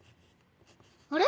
あれ？